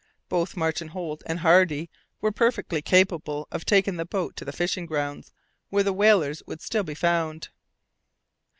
Both Martin Holt and Hardy were perfectly capable of taking the boat to the fishing grounds, where the whalers would still be found.